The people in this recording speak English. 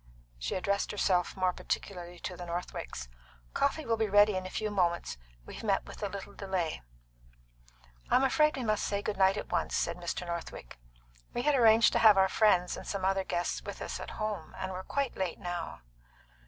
She addressed herself more particularly to the Northwicks. "Coffee will be ready in a few moments. We've met with a little delay." "I'm afraid we must say good night at once," said Mr. Northwick. "We had arranged to have our friends and some other guests with us at home. And we're quite late now."